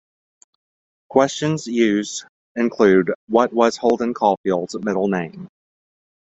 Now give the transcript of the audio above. Questions used include What was Holden Caulfield's middle name?